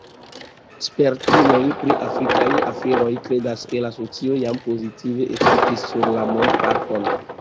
Spertuloj pri afrikaj aferoj kredas, ke la asocio jam pozitive efikis sur la mondparton.